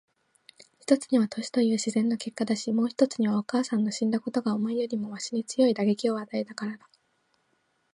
一つには年という自然の結果だし、もう一つにはお母さんの死んだことがお前よりもわしに強い打撃を与えたからだ。